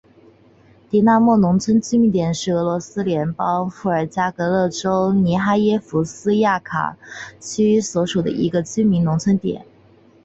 狄纳莫农村居民点是俄罗斯联邦伏尔加格勒州涅哈耶夫斯卡亚区所属的一个农村居民点。